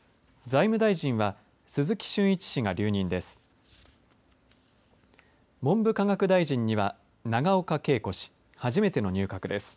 財務大臣は鈴木俊一氏が留任です。